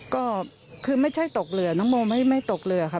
ก็คือไม่ใช่ตกเรือน้องโมไม่ตกเรือค่ะ